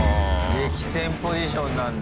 激戦ポジションなんだ。